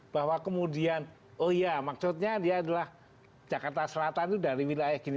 bahwa kemudian oh iya maksudnya dia adalah jakarta selatan itu dari wilayah gini